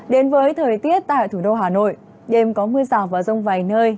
đến với thời tiết tại thủ đô hà nội đêm có mưa rào và rông vài nơi